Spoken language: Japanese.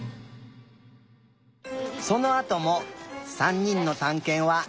そのあとも３にんのたんけんはつづいたよ。